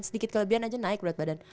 sedikit kelebihan aja naik berat badan